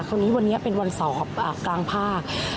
คนนี้วันนี้เป็นวันสอบกลางภาค